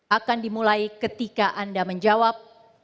akan dimulai ketika anda menjawab